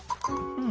うん？